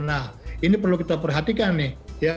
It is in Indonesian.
nah ini perlu kita perhatikan nih